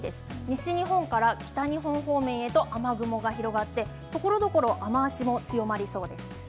西日本から北日本方面へと雨雲が広がって、ところどころ雨足も強まりそうです。